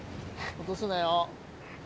落とすなよ。